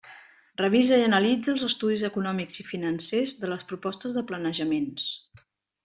Revisa i analitza els estudis econòmics i financers de les propostes de planejaments.